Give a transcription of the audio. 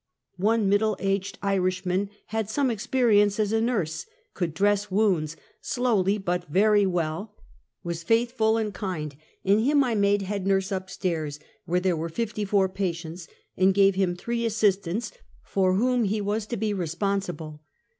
One middle aged Irishman had had some experience as a nurse; could dress wounds — slowly, but very well — was faithful and kind; and him I made head nurse up stairs, where there were fifty four patients, and gave him three assistants, for whom he was to be responsible.